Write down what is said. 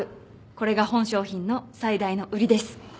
これが本商品の最大の売りです。